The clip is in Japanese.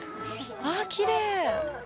あきれい。